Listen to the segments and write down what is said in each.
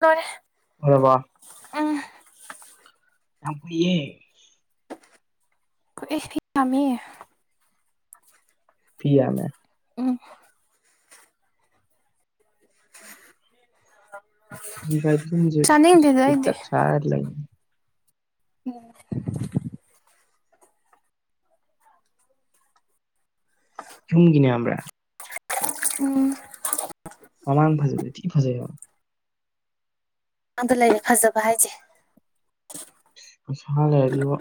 ꯂꯣꯏꯔꯦ ꯂꯣꯏꯔꯕꯣ ꯎꯝ ꯌꯥꯝ ꯀꯨꯏ ꯍꯦ [unintelligible] ꯊꯤ ꯌꯥꯝꯃꯦ ꯎꯝ [inaudible] [unintelligible] ꯆꯥꯅꯤꯡꯗꯦꯗ ꯑꯩꯗꯤ ꯄꯤꯛꯇꯛ [unintelligible] [inaudible] [inaudible] ꯥꯌꯨꯝꯒꯤꯅꯦ ꯈꯪꯕ꯭ꯔ ꯎꯝ ꯃꯃꯥꯡ ꯐꯖꯕꯗꯤ ꯊꯤ ꯐꯖꯩꯌꯦꯕꯥ [unintelligible] ꯐꯖꯕ ꯍꯥꯏꯁꯦ ꯄꯩꯁꯥ ꯂꯩꯔꯗꯤꯕꯣ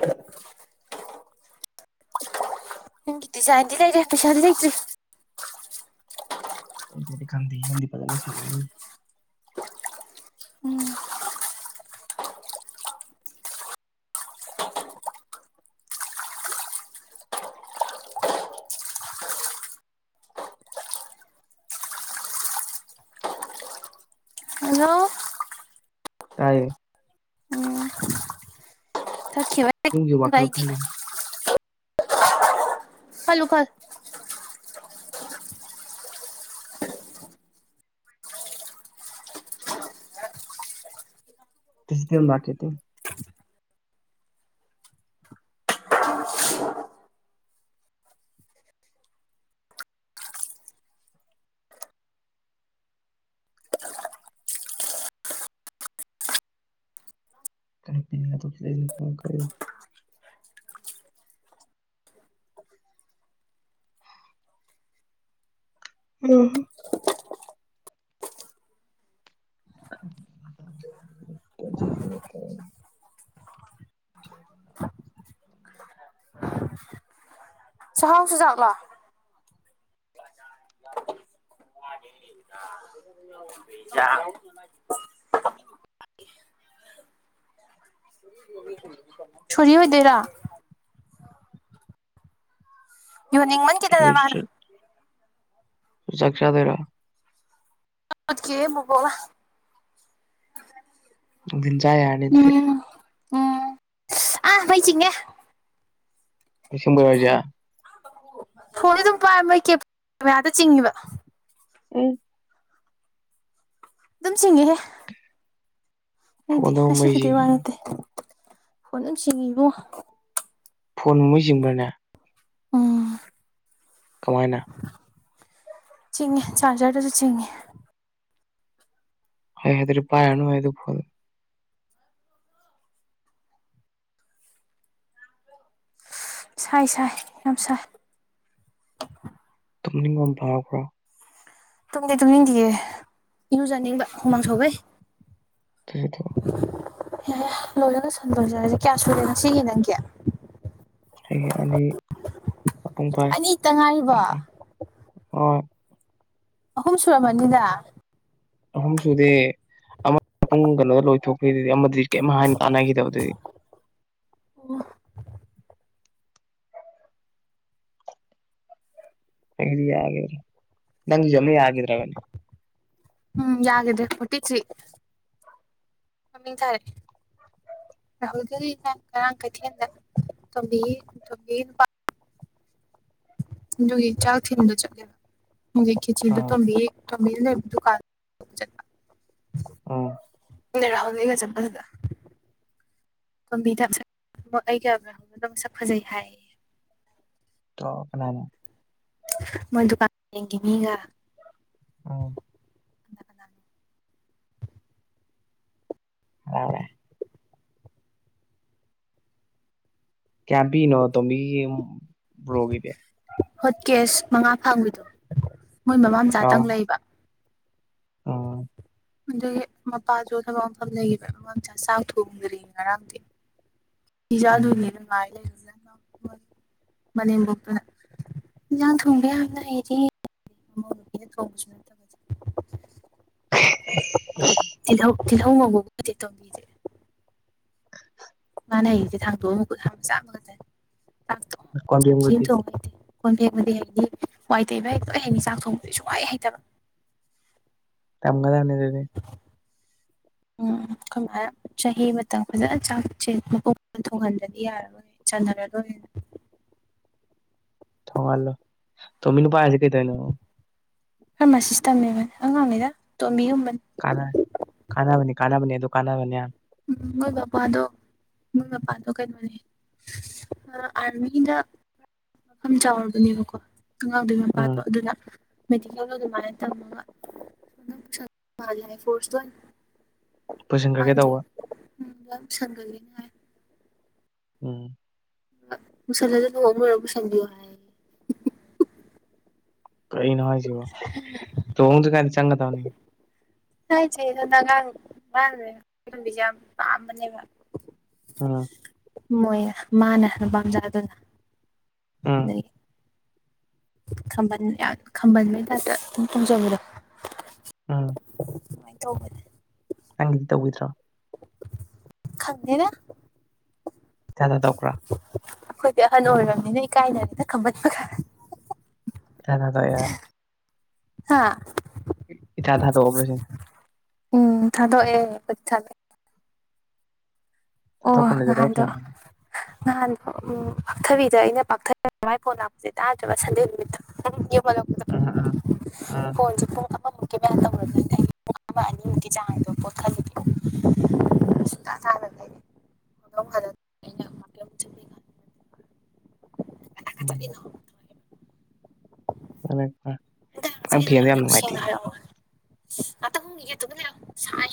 ꯅꯪꯒꯤ ꯗꯤꯖꯥꯏꯟꯗꯤ ꯂꯩꯔꯦ ꯄꯩꯁꯥꯗꯤ ꯂꯩꯇ꯭ꯔꯤ ꯂꯩꯇ꯭ꯔꯥꯗꯤ ꯈꯪꯗꯦ ꯌꯨꯝꯗꯤ ꯐꯖꯅ ꯁꯥꯔꯅꯤ ꯎꯝ ꯍꯜꯂꯣ ꯇꯥꯏꯌꯦ ꯎꯝ ꯆꯠꯈꯤꯕ ꯌꯨꯝꯒꯤ ꯈꯟꯕ ꯋꯥꯈꯜ ꯑꯩꯗꯤ ꯈꯜꯂꯤ ꯈꯜꯂꯨ ꯈꯜ ꯇꯨꯏꯁꯗꯦ ꯃꯥꯔꯀꯦꯠꯇꯤꯡ [unintelligible] [unintelligible] [unintelligible] [unintelligible] ꯆꯥꯍꯥꯎ ꯆꯨꯖꯛꯂꯣ ꯫ ꯑ ꯌꯥꯡ ꯁꯔꯤ ꯑꯣꯏꯗꯣꯏꯔꯥ ꯌꯨꯅꯤꯡꯃꯟꯈꯤ [unintelligible] ꯃꯥꯅ ꯆꯥꯛ ꯆꯥꯗꯣꯏꯔꯣ [unintelligible] ꯟꯖ ꯌꯥꯅꯤꯗꯦ ꯎꯝ ꯎꯝ [inaudible] ꯑꯥ ꯃꯩ ꯆꯤꯡꯉꯦ [unintelligible] ꯐꯣꯟꯁꯤ ꯁꯨꯝ ꯄꯥꯏ [unintelligible] ꯆꯤꯡꯉꯤꯕ ꯎꯝ ꯗꯨꯝ ꯁꯤꯡꯉꯤꯍꯦ [unintelligible] ꯗꯤ ꯐꯣꯟꯗꯕꯨ ꯉꯁꯤ ꯃꯩ ꯈꯤꯇ ꯋꯥ ꯆꯤꯡꯉꯤ ꯅꯠꯇꯦ ꯐꯣꯟ ꯑꯗꯨꯝ ꯆꯤꯡꯉꯤ ꯏꯕꯨꯡꯉꯣ ꯐꯣꯟ ꯃꯩ ꯆꯤꯡꯕ꯭ꯔꯅꯦ ꯎꯝ ꯀꯃꯥꯏꯅ ꯆꯤꯡꯉꯦ ꯆꯥꯔꯖꯔꯗꯁꯨ ꯆꯤꯡꯉꯦ [unintelligible] ꯑꯗꯨꯔꯤ ꯄꯥꯏꯔꯅꯨ ꯍꯦ [unintelligible] ꯁꯥꯏ ꯁꯥꯏ ꯌꯥꯝ ꯁꯥꯏ ꯇꯨꯝꯅꯤꯡꯕ ꯑꯃ ꯐꯥꯎꯕ꯭ꯔꯣ ꯇꯨꯝꯗꯤ ꯇꯨꯝꯅꯤꯡꯗꯤꯌꯦ ꯏꯔꯨꯖꯥꯅꯤꯡꯕ ꯍꯨꯃꯥꯡ ꯁꯧꯕꯩ ꯫ [unintelligible] [inaudible] [unintelligible] ꯀꯌꯥ ꯁꯨꯔꯦ ꯉꯁꯤꯒꯤ ꯅꯪꯒꯤ ꯍꯌꯦꯡ ꯑꯅꯤ ꯃꯄꯨꯡ ꯐꯥꯏ ꯑꯅꯤꯇ ꯉꯥꯏꯔꯤꯕꯣ ꯍ ꯑꯍꯨꯝ ꯁꯨꯔꯝ ꯃꯅꯤꯗ ꯑꯍꯨꯝ ꯁꯨꯗꯤ ꯑꯃ ꯄꯨꯡ ꯀꯩꯅꯣꯗ ꯂꯣꯏꯊꯣꯛꯈꯤꯗꯨꯗꯤ ꯑꯃꯗꯗꯤ ꯀꯔꯤꯝ ꯍꯥꯏꯅ ꯇꯥꯟꯅꯈꯤꯗꯕꯗꯨꯗꯤ ꯑꯣ ꯑꯩꯒꯤꯗꯤ ꯌꯥꯈꯤ [unintelligible] ꯅꯪꯒꯤꯁꯨ ꯑꯃ ꯌꯥꯈꯤꯗ꯭ꯔꯕꯅꯦ ꯎꯝ ꯌꯥꯗꯦꯄꯇꯁꯤ꯭ꯔꯤ [unintelligible] [unintelligible] ꯉꯔꯥꯡ ꯀꯩꯊꯦꯟꯗ ꯇꯣꯝꯕꯤꯒꯤ ꯇꯣꯝꯕꯤꯒꯤ [unintelligible] ꯒꯤ ꯆꯥ ꯊꯤ ꯆ ꯃꯨ ꯈꯈꯤꯆꯗ ꯑꯥ ꯇꯝꯕ ꯇꯣꯝꯕꯤꯌꯨꯅꯦ ꯗꯨꯀꯥꯟ ꯆꯠꯄ ꯑ ꯏꯥꯎꯒ ꯆꯠꯄꯗ ꯀꯕꯤꯗꯛ ꯑꯃꯨ ꯑꯩꯒꯗ ꯃꯁꯛ ꯐꯖꯩ ꯍꯥꯏꯌꯦ ꯇ ꯀꯅꯥꯅ ꯃꯣꯏ ꯗꯨꯀꯥꯟ ꯌꯦꯡꯈꯤ ꯃꯤꯒ ꯎꯝ ꯀꯅꯥ ꯀꯅꯥꯅꯣ ꯂꯥꯜꯂꯦ ꯀꯌꯥꯝ ꯄꯤꯛꯏꯅꯣ ꯑꯇꯣꯝꯕꯤꯒꯤ ꯕ꯭ꯔꯣꯒꯤꯗꯤ ꯍꯣꯠ ꯀꯦꯁ ꯃꯉꯥ ꯐꯪꯕꯤꯗꯣ ꯃꯣꯏ ꯃꯃꯥ ꯃꯆꯥꯇꯪ ꯂꯩꯕ ꯑꯥ ꯑꯗꯨꯒꯤ ꯃꯄꯥꯁꯨ ꯊꯕꯛ ꯃꯐꯝ ꯂꯩꯈꯤꯕ ꯃꯃꯥꯝꯆꯥ ꯆꯥꯛ ꯊꯣꯡꯗ꯭ꯔꯤ ꯉꯔꯥꯡꯗꯤ ꯎꯝ ꯏꯖꯥꯜꯗꯨꯅꯦꯅ ꯉꯥꯏ ꯂꯩꯔꯤꯖꯦ ꯃꯅꯦꯝꯕꯣꯛꯇꯨꯅ ꯏꯟꯁꯥꯡ ꯊꯣꯡꯕꯤꯕꯅ ꯑꯩꯔꯤ ꯃꯃꯥ ꯄꯤꯅ ꯊꯣꯡꯁꯨ ꯅꯠꯇꯕ ꯇꯤꯜꯍꯧ ꯇꯤꯜꯍꯧꯉꯧꯕꯕꯨꯗꯤ ꯇꯣꯝꯕꯤꯗꯤ ꯃꯥꯅ ꯍꯩꯁꯦ ꯊꯥꯡꯗꯣꯛꯑ ꯃꯈꯨꯠ ꯍꯥꯝꯃ ꯆꯥꯕ ꯈꯇꯅꯦ ꯀꯣꯟꯖꯦꯝꯒꯗꯤ ꯀꯣꯟ ꯐꯦꯡꯕꯗꯤ ꯍꯩꯅꯤ ꯋꯥꯏ ꯇꯩꯕ ꯍꯦꯛꯂꯣꯏ ꯍꯩꯅꯤ ꯆꯥꯛ ꯊꯣꯡꯕꯗꯤ ꯁꯨꯡꯍꯩ ꯍꯩꯇꯕ ꯇꯝꯒꯗꯝꯅꯦ ꯕꯦꯕꯤ ꯎꯝ ꯀꯃꯥꯏꯅ ꯆꯍꯤ ꯑꯃꯇꯪ ꯐꯖꯅ ꯆꯥꯛꯁꯦ ꯃꯨꯛꯀ ꯊꯣꯡꯍꯟꯗꯗꯤ ꯌꯥꯔꯔꯣꯏ ꯆꯟꯅꯔꯔꯣꯏ ꯃꯤꯅ ꯊꯣꯡꯍꯜꯂꯣ ꯇꯣꯝꯕꯤ ꯅꯨꯄꯥ ꯍꯧꯖꯤꯛ ꯀꯩꯗꯣꯏꯅꯣ ꯐꯥꯔꯃꯥꯁꯤꯁ ꯇꯝꯃꯦꯕꯅꯦ ꯑꯉꯥꯡꯉꯗ ꯇꯣꯝꯕꯤꯒꯨꯝꯕꯅꯤ ꯀ ꯀꯥꯟꯅꯕꯅꯤ ꯀꯥꯟꯅꯕꯅꯤ ꯑꯗꯨ ꯀꯥꯟꯅꯕꯅꯦ ꯎꯝ ꯍꯒꯄ ꯑꯗꯨꯣ ꯃꯣꯏ ꯃꯄꯥꯗꯣ ꯀꯩꯅꯣꯅꯦ ꯑ ꯑꯥꯔꯃꯤꯗ ꯃꯐꯝ ꯆꯥꯎꯔꯕꯅꯦꯕꯀꯣ ꯑꯉꯥꯡꯗꯨꯒꯤ ꯎꯝ ꯃꯄꯥꯗꯣ ꯑꯗꯨꯅ ꯃꯦꯜꯣ ꯑꯗꯨꯃꯥꯏꯅꯝꯃꯒ ꯄꯨꯁꯤꯟꯈ꯭ꯔꯒꯦ ꯇꯧꯕ ꯁꯁꯤꯡꯒꯂꯤꯅꯍ ꯍꯥꯏ ꯎꯝ ꯁꯂꯗ ꯍꯣꯝ ꯑꯣꯏꯔꯕꯨ ꯁꯟꯕꯤꯑꯣꯦ ꯀꯩꯅꯣ ꯍꯥꯏꯁꯤꯕꯣ ꯇꯨꯍꯣꯡꯗ꯭ꯔꯤꯀꯥꯟ ꯆꯪꯒꯗꯕꯅꯦ ꯊꯥꯏ ꯅꯖ ꯃꯅꯦ ꯎꯝ ꯃꯣꯏ ꯃꯥꯅ ꯅꯨꯄꯥꯝꯆꯥꯥꯗꯨꯅ ꯎꯝ ꯑꯗꯨꯒꯤ ꯈꯥꯝꯕꯜ ꯌꯥꯝ ꯈꯥꯝꯕꯜꯕꯩ ꯇꯥꯞꯇ ꯑꯗꯨꯝ ꯇꯣꯡꯖꯕꯗꯣ ꯎꯝ ꯁꯨꯃꯥꯏꯅ ꯇꯧꯕꯅꯦ ꯅꯪꯒꯤꯗꯤ ꯇꯧꯕꯤꯗ꯭ꯔꯣ ꯈꯪꯗꯅ [unintelligible] ꯑꯩꯈꯣꯏꯗꯤ ꯑꯍꯜ ꯑꯣꯏꯔꯕꯅꯤꯅ ꯏꯀꯥꯏꯅꯔꯦꯅ ꯈꯃꯟꯄ [unintelligible] ꯍꯥꯥ ꯏ ꯊꯥ ꯊꯥꯗꯣꯛꯑꯕ꯭ꯔ ꯁꯤꯅꯤ ꯎꯝ ꯊꯗꯣꯛꯑꯦ ꯑꯩꯈꯣꯏꯗꯤ ꯊꯥꯗꯣꯛꯑꯦ ꯑꯣ ꯊꯥꯗꯣꯛꯄꯅꯁꯨ ꯈꯔ ꯅꯍꯥꯟꯗꯣ ꯐꯪꯒꯅꯤ ꯅꯍꯥꯟꯗꯣ ꯎ ꯄꯥꯛꯊꯕꯤꯗ ꯑꯩꯅ ꯄꯥꯛꯊ ꯃꯥꯏ ꯐꯣꯟ ꯂꯥꯛꯄꯁꯦ ꯇꯥꯗ꯭ꯔꯕ ꯁꯟꯗꯦ ꯅꯨꯃꯤꯠꯇ ꯋꯂꯞꯄꯗ ꯎꯝ ꯎꯝ ꯎꯝ ꯐꯣꯟꯁꯦ ꯄꯨꯡ ꯑꯃꯃꯨꯛꯀꯤ ꯃꯌꯥ ꯇꯧꯅꯗꯣꯏꯅꯦ ꯑꯩ ꯄꯨꯡ ꯑꯃ ꯑꯅꯤꯃꯨꯛꯀꯤ ꯆꯥꯡꯗꯣ ꯄꯣꯠ ꯈꯜꯂꯨꯒꯦ [inaudible] ꯆꯗꯗꯤ ꯅꯣꯡ ꯐꯥꯗꯣꯛ ꯀꯅꯥꯒ ꯎꯝ ꯆꯠꯂꯤꯅꯣ [unintelligible] ꯗꯗꯥ ꯅꯪ ꯉꯁꯥꯏꯗꯣ ꯐꯦꯟꯗꯣ ꯍꯥꯏꯔꯛꯑꯣ ꯌꯥꯝ ꯈꯤꯇꯪ ꯁꯦꯡꯅ ꯅꯨꯡꯉꯥꯏꯇꯦꯌꯦ ꯍꯥꯏꯔꯛꯑꯣ ꯑ ꯍꯒꯦ ꯇꯒꯅ ꯁꯥꯏ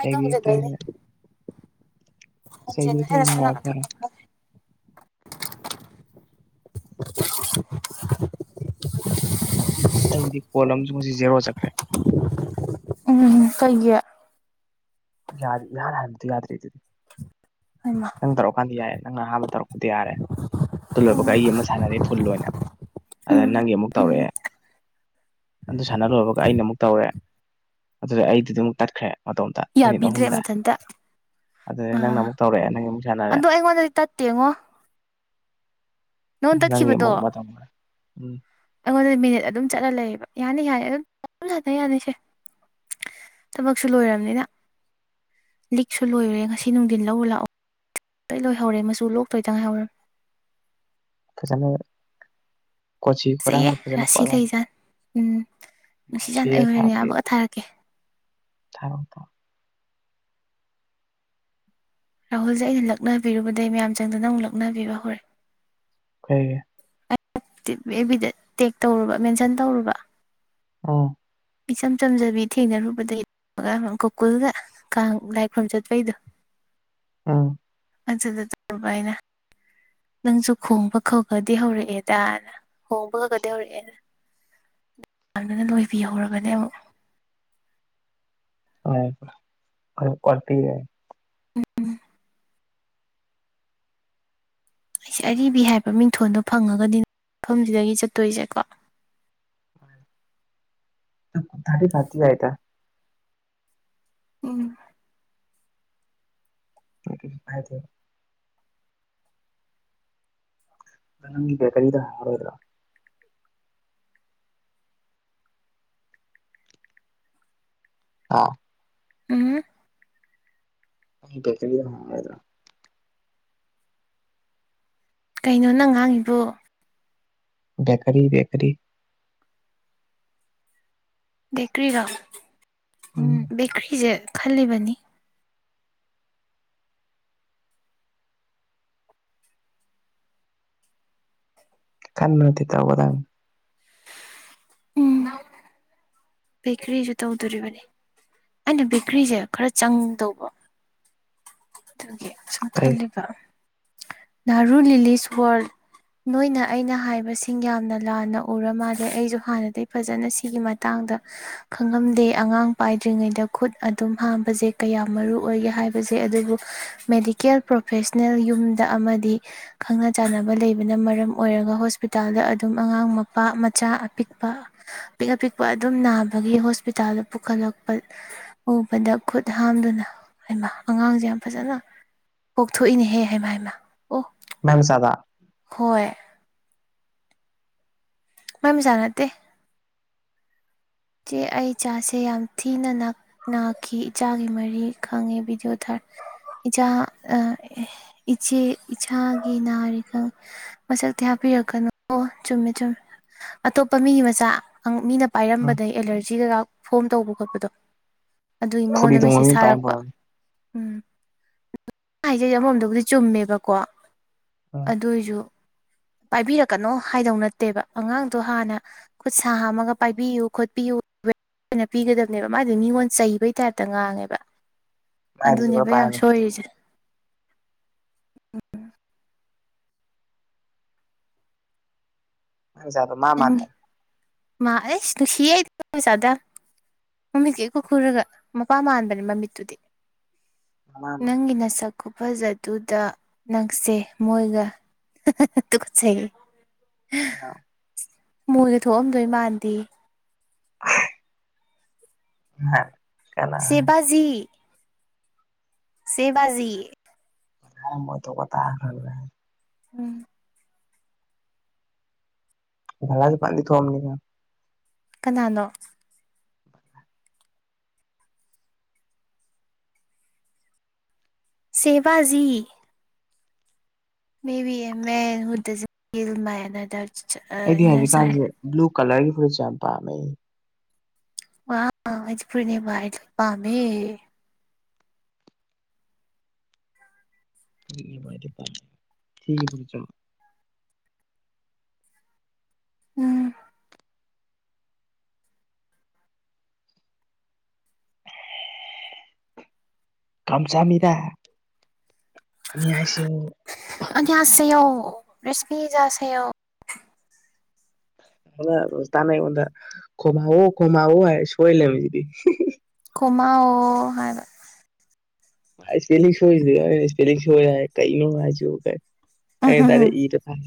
ꯆꯩꯕꯤꯔꯛꯇꯣꯏꯅꯦ ꯍꯨꯝꯖꯤꯟꯒ꯭ꯔꯦ ꯍꯦꯟꯅ ꯁꯦꯒꯨꯔꯤꯇꯤꯅ ꯁꯣꯝ ꯅꯥꯀꯟ ꯉꯥꯛꯄꯔꯣ ꯊꯥꯡꯒꯠꯈ꯭ꯔꯦ [unintelligible] ꯑꯩꯗꯤ ꯄꯣꯠꯂꯝꯨ ꯉ ꯖꯦꯔꯣ ꯆꯠꯈ꯭ꯔꯦ ꯎꯝ ꯀꯩꯒꯤꯦ ꯌꯥꯔ ꯏꯍꯥꯟ ꯍꯥꯟꯕꯗꯨ ꯌꯗ꯭ꯔꯤꯗꯨꯗꯤ ꯍꯩꯃꯥ ꯇꯧꯔꯛꯀꯥꯟꯗꯤ ꯌꯥꯏꯔꯦ ꯅꯪꯅ ꯑꯍꯥꯟꯕ ꯇꯧꯔꯛꯄꯗꯤ ꯌꯥꯔꯦ ꯑꯗꯨꯜ ꯂꯣꯏꯕꯒ ꯑꯩ ꯑꯃ ꯁꯥꯟꯅꯔꯦ ꯐꯨꯜ ꯑꯣꯏꯅ ꯑꯗ ꯎꯝ ꯅꯪꯒꯤ ꯑꯃꯨꯛ ꯎꯝ ꯇꯧꯔꯛꯑꯦ ꯑꯗꯨ ꯁꯥꯟꯅ ꯂꯣꯏꯕꯒ ꯑꯩꯅ ꯑꯃꯨꯛ ꯇꯧꯔꯦ ꯑꯗꯨꯗ ꯑꯩꯗꯨꯗꯤ ꯑꯃꯨꯛ ꯇꯠꯈ꯭ꯔꯦ ꯃꯇꯣꯝꯇ ꯃꯤꯅꯤꯠ ꯌꯥꯕꯤꯗ꯭ꯔꯦ ꯑꯍꯨꯝꯗ ꯃꯊꯟꯇ ꯑꯗꯨꯗ ꯅꯪꯅ ꯑꯥ ꯑꯃꯨꯛ ꯇꯧꯔꯛꯑꯦ ꯅꯪꯒꯤ ꯑꯃꯨꯛ ꯁꯥꯟꯅꯔꯦ ꯑꯗꯣ ꯑꯩꯉꯣꯟꯗꯗꯤ ꯇꯠꯇꯦꯉꯣ ꯅꯉꯣꯟ ꯅꯪꯒꯤ ꯇꯠꯈꯤꯕꯗꯣ ꯑꯃꯨꯛ ꯃꯇꯝ [unintelligible] ꯎꯝ ꯑꯩꯉꯣꯟꯗꯗꯤ ꯃꯤꯅꯤꯠ ꯑꯗꯨꯝ ꯆꯠꯂ ꯂꯩꯌꯦꯕ ꯌꯥꯅꯤ ꯌꯥꯅꯤ ꯑꯗꯨꯝ ꯍꯟ ꯌꯥꯅꯤꯁꯦ ꯊꯕꯛꯁꯨ ꯂꯣꯏꯔꯕꯅꯤꯅ ꯂꯤꯛꯁꯨ ꯂꯣꯏꯔꯦ ꯉꯁꯤ ꯅꯨꯡꯊꯤꯟ ꯂꯧꯔ ꯂꯥꯛꯑꯣ ꯂꯣꯏ ꯂꯣꯏꯍꯧꯔꯦ ꯃꯆꯨ ꯂꯣꯛꯇꯣꯏꯇꯪ ꯉꯥꯏꯍꯧꯔꯝꯅꯤ ꯐꯖꯅ ꯀꯣꯆꯤ ꯐꯆꯩꯌꯦ ꯀꯣꯔꯥꯡꯗꯣ ꯐꯖꯅ ꯔꯥꯁꯤ ꯄꯣꯠꯂꯝ ꯂꯩꯖꯥꯟ ꯎꯝ ꯁꯤ ꯅꯨꯡꯁꯤꯖꯥꯟ ꯑꯩ ꯍꯣꯔꯦꯟ ꯑꯣꯏꯅꯅꯤ ꯌꯥꯕꯒ ꯊꯥꯔꯛꯀꯦ ꯊꯥꯔꯛ ꯑꯣ ꯔꯥꯍꯨꯜꯁꯦ ꯑꯩꯅ ꯂꯛꯅꯕꯤꯔꯨꯕꯗꯩ ꯃꯌꯥꯝ ꯆꯪꯗꯅ ꯑꯃꯨꯛ ꯂꯛꯅꯕꯤꯕ ꯍꯧꯔꯛꯑꯦ [unintelligible] ꯇꯤꯞ ꯑꯦꯕ ꯕꯤꯗ ꯇꯦꯛ ꯇꯧꯔꯨꯕ ꯃꯦꯟꯁꯟ ꯇꯧꯔꯨꯕ ꯑꯣ ꯏꯆꯝ ꯆꯝꯖꯕꯤ ꯊꯦꯡꯅꯔꯨꯕꯗꯒꯤ ꯇꯧꯒ ꯒꯣꯀꯨꯜꯒ ꯀꯥꯡ ꯂꯥꯏꯈ꯭ꯔꯨꯝꯝ ꯆꯠꯄꯩꯗꯣ ꯎꯝ [unintelligible] ꯅꯪꯁꯨ ꯈꯣꯡꯕ ꯈꯈꯗꯤ ꯍꯧꯔꯛꯑꯦꯗꯅ ꯍꯣꯡꯕ ꯈꯈꯗꯤ ꯍꯧꯔꯛꯑꯦꯅ ꯗꯅ ꯂꯣꯏꯕꯤꯍꯧꯔꯕꯅꯦ ꯑꯃꯨꯛ [unintelligible] ꯎꯝ ꯑꯩꯁꯦ ꯑꯔꯤꯕ ꯍꯥꯏꯕ ꯃꯤꯡꯊꯣꯟꯗꯣ ꯐꯪꯉꯒꯅꯤ ꯃꯐꯝꯁꯤꯗꯒꯤ ꯆꯠꯇꯣꯏꯁꯦꯀꯣ ꯊꯥꯔꯇꯤ ꯐꯥꯏꯐꯇꯤ ꯌꯥꯏꯗ ꯎꯝ [unintelligible] ꯅꯪ ꯕꯦꯀꯔꯤꯗ ꯍꯥꯔꯣꯏꯗ꯭ꯔꯣ ꯑꯥ ꯎꯝ [unintelligible] ꯀꯩꯅꯣ ꯅꯪ ꯉꯥꯡꯉꯤꯕꯣ ꯕꯦꯀꯔꯤ ꯕꯦꯀꯔꯤ ꯕꯦꯀ꯭ꯔꯤꯔꯣ ꯎꯝ ꯕꯦꯀ꯭ꯔꯤꯁꯦ ꯈꯜꯂꯤꯕꯅꯤ ꯈꯟꯕ ꯅꯠꯇꯦ ꯇꯧꯒꯗꯝꯅꯦ ꯎꯝ [unintelligible] ꯕꯦꯀ꯭ꯔꯤꯁꯨ ꯇꯧꯗꯣꯔꯤꯕꯅꯤ ꯑꯩꯅ ꯕꯦꯀ꯭ꯔꯤꯁꯦ ꯈꯔ ꯆꯪꯗꯧꯕ ꯑꯗꯨꯒꯤ ꯑꯁꯨꯝ ꯀꯩ ꯈꯜꯂꯤꯕ ꯅꯥꯔꯨ ꯂꯤꯂꯤꯁ ꯋꯥꯔꯜ ꯅꯣꯏꯅ ꯑꯩꯅ ꯍꯥꯏꯕꯁꯤꯡ ꯌꯥꯝꯅ ꯂꯥꯟꯅ ꯎꯔ ꯃꯥꯜꯂꯦ ꯑꯩꯁꯨ ꯍꯥꯟꯅꯗꯒꯤꯩ ꯐꯖꯅ ꯁꯤꯒꯤ ꯃꯇꯥꯡꯗ ꯈꯪꯉꯂꯝꯗꯦ ꯑꯉꯥꯡ ꯄꯥꯏꯗ꯭ꯔꯤꯉꯩꯗ ꯈꯨꯠ ꯑꯗꯨꯝ ꯍꯥꯝꯕꯁꯦ ꯀꯌꯥ ꯃꯔꯨ ꯑꯣꯏꯒꯦ ꯍꯥꯏꯕ ꯖꯦ ꯑꯗꯨꯕꯨ ꯃꯦꯗꯤꯀꯦꯜ ꯄ꯭ꯔꯣꯐꯦꯁꯅꯦꯜ ꯌꯨꯝꯗ ꯑꯃꯗꯤ ꯈꯪꯅ ꯆꯥꯟꯅꯕ ꯂꯩꯕꯅ ꯃꯔꯝ ꯑꯣꯏꯔꯒ ꯍꯣꯁꯄꯤꯇꯥꯜꯗ ꯑꯗꯨꯝ ꯑꯉꯥꯡ ꯃꯄꯥ ꯃꯆꯥ ꯑꯄꯤꯛꯄ ꯑꯄꯤꯛ ꯑꯄꯤꯛꯄ ꯑꯗꯨꯝ ꯅꯥꯕꯒꯤ ꯍꯣꯁꯄꯤꯇꯥꯜꯗ ꯄꯨꯈꯠꯂꯛꯄ ꯎꯕꯗ ꯈꯨꯠ ꯍꯥꯝꯗꯨꯅ ꯍꯩꯃ ꯑꯉꯥꯡꯁꯦ ꯌꯥꯝ ꯐꯖꯅ ꯄꯣꯛꯊꯣꯛꯏꯅꯦꯍꯦ ꯍꯥꯏꯃ ꯍꯥꯏꯃ ꯑꯣ ꯃꯥꯏ ꯃꯆꯥꯗ ꯍꯣꯏ ꯃꯥꯏ ꯃꯆꯥ ꯅꯠꯇꯦ ꯆꯦ ꯑꯩ ꯆꯥꯁꯦ ꯌꯥꯝ ꯊꯤꯅ ꯅꯛ ꯅꯥꯈꯤ ꯏꯆꯥꯒꯤ ꯃꯔꯤ ꯈꯪꯉꯦ ꯚꯤꯗꯤꯑꯣ ꯊꯔ ꯏꯆꯥ ꯏꯆꯦ ꯏꯆꯥꯒꯤ ꯅꯥꯔꯤꯈ ꯃꯁꯛꯇꯤ ꯍꯥꯞꯄꯤꯔꯛꯀꯅꯨ ꯑꯣ ꯆꯨꯝꯃꯦ ꯆꯨꯝꯃꯦ ꯑꯇꯣꯞꯄ ꯃꯤꯒꯤ ꯃꯆꯥ ꯃꯤꯅ ꯄꯥꯏꯔꯝꯕ ꯎꯝ ꯁꯤꯗꯒ ꯀꯩꯀꯥ ꯐꯣꯟ ꯇꯧꯕ ꯈꯣꯠꯄꯗꯣ ꯑꯗꯨꯒꯤ ꯐꯨꯔꯤ ꯃꯉꯣꯟꯗ ꯇꯣꯡꯕ ꯃꯦꯁꯦꯁ ꯃꯤ ꯄꯥꯏꯔꯝꯕ ꯊꯥꯔꯛꯄ ꯑꯣꯏꯔꯝꯅꯤ ꯎꯝ ꯃꯥ ꯍꯥꯏꯁꯦ ꯑꯃꯃꯣꯝꯗꯕꯨꯗꯤ ꯆꯨꯝꯃꯦꯕꯀꯣ ꯎꯝ ꯑꯗꯨꯏꯁꯨ ꯄꯥꯏꯕꯤꯔꯛꯀꯅꯣ ꯍꯥꯏꯗꯧ ꯅꯠꯇꯦꯕ ꯑꯉꯥꯡꯗꯣ ꯍꯥꯟꯅ ꯈꯨꯠ ꯁꯥ ꯍꯥꯝꯃꯒ ꯄꯥꯏꯕꯤꯌꯨ ꯈꯨꯠ ꯄꯤꯌꯨ ꯑꯣꯏꯅ ꯄꯤꯒꯗꯕꯅꯦꯕ ꯃꯥꯗꯤ ꯃꯤꯉꯣꯟ ꯆꯩꯕꯩ ꯇꯥꯏꯞꯇ ꯉꯥꯡꯉꯦꯕ ꯃꯥꯏꯗꯨꯁꯨ ꯈꯔ ꯑꯗꯨꯅꯦꯕ ꯌꯥꯝ ꯄꯥꯏꯔꯝꯃꯅꯤ ꯑꯗꯨꯅ ꯁꯣꯏꯔꯤꯁꯦ ꯃꯥꯏ ꯃꯆꯥꯗꯣ ꯃꯥ ꯅꯪꯒꯤ ꯃꯥꯟꯗꯝꯅꯦ ꯃꯥ ꯑꯁ ꯅꯨꯡꯁꯤꯌꯦ ꯃꯥꯏ ꯃꯆꯥꯗꯣ ꯃꯃꯤꯠꯀꯥ ꯏꯈꯨ ꯈꯨꯔꯒ ꯃꯄꯥ ꯃꯥꯟꯕꯅꯦ ꯃꯃꯤꯠꯇꯨꯗꯤ ꯃꯥ ꯃꯥꯟꯕꯅꯤ ꯅꯪꯒꯤ ꯅꯁꯛ ꯈꯨꯐꯖꯗꯨꯗ ꯅꯪꯁꯦ ꯃꯣꯏꯒ [unintelligible] ꯇꯨꯀꯠꯆꯩꯍꯦ [unintelligible] ꯃꯣꯏꯒ ꯊꯣꯛꯑꯝꯗꯣꯏ ꯃꯥꯟꯗꯦꯌꯦ [inaudible] ꯍꯥ ꯆꯦꯕꯥꯖꯤ ꯆꯦꯕꯥꯖꯤ ꯑꯩ ꯃꯣꯏ ꯊꯣꯛꯄ ꯇꯥꯈ꯭ꯔꯕꯔꯥ ꯎꯝ ꯕꯂꯥꯖꯨ ꯐꯖꯅꯗꯤ ꯊꯣꯛꯑꯝꯅꯤꯀꯣ ꯀꯅꯥꯅꯣ ꯆꯦꯕꯥꯖꯤ ꯃꯦ ꯕꯤ ꯑꯥ ꯃꯦꯟ [unintelligible] ꯑꯩꯗꯤ ꯏꯅꯔ ꯆꯥꯏꯜ ꯍꯧꯖꯤꯛꯀꯥꯟꯁꯦ ꯕꯂꯨ ꯀꯂꯔꯒꯤ ꯐꯨꯔꯤꯠꯁꯦ ꯌꯥꯝ ꯄꯥꯝꯃꯦ ꯋꯥ ꯑꯩꯁꯨ ꯐꯨꯔꯤꯠꯅꯦꯕꯨ ꯍꯥꯏꯗꯤ ꯄꯥꯝꯃꯦ [unintelligible] ꯎꯝ ꯀꯝꯆꯃꯤꯗ ꯑꯅꯤꯌꯍꯥꯁꯤꯌꯣ ꯑꯅꯌꯣꯟꯁꯩꯌꯣ ꯔꯦꯁꯃꯤꯖꯁꯩꯌꯣ ꯑꯃ ꯔꯣꯖꯤꯇꯥꯅ ꯑꯩꯉꯣꯟꯗ ꯈꯣꯝ ꯍꯥꯡꯉꯣ ꯈꯣꯝ ꯍꯥꯡꯉꯣ ꯁꯣꯏ ꯂꯩꯔꯝꯃꯤꯁꯤꯗꯤ ꯀꯣꯃꯥꯑꯣ ꯍꯥꯏꯕ ꯏꯁꯄꯦꯂꯤꯡ ꯁꯣꯏꯔꯤꯁꯦ ꯑꯩꯅ ꯏꯁꯄꯦꯂꯤꯡ ꯁꯣꯏ ꯍꯥꯏ ꯀꯩꯅꯣ ꯋꯥꯁꯤꯕꯨ ꯀꯥꯏ ꯎꯝ ꯑꯩ ꯍꯝ ꯍꯝ ꯗꯥꯏꯔꯦꯛ ꯏꯔꯥ ꯊꯝ